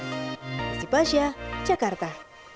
masih pas ya jakarta